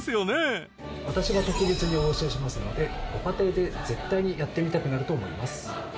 私が特別にお教えしますのでご家庭で絶対にやってみたくなると思います。